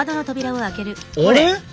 あれ？